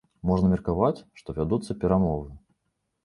Можна меркаваць, што вядуцца перамовы.